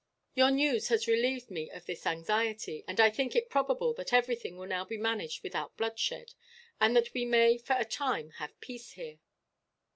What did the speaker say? "Your news has relieved me of this anxiety, and I think it probable that everything will now be managed without bloodshed; and that we may, for a time, have peace here."